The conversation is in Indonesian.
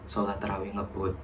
sholat tarawih ngebut